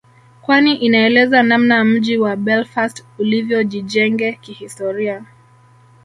kwani inaeleza namna mji wa Belfast ulivyojijenge kihistoria